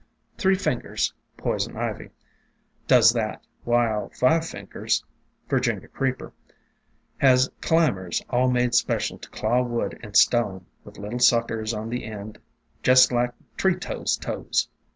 Three Fingers (Poison Ivy) does that, while Five Fingers (Virginia Creeper) has climbers all made special to claw wood and stone, with little suckers on the end jest like tree toads' toes.